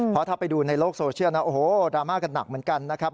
เพราะถ้าไปดูในโลกโซเชียลนะโอ้โหดราม่ากันหนักเหมือนกันนะครับ